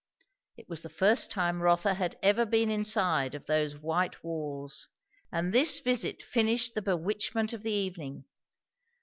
It was the first time Rotha had ever been inside of those white walls; and this visit finished the bewitchment of the evening.